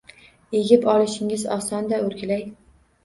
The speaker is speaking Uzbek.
Egib olishingiz oson-da, o`rgilay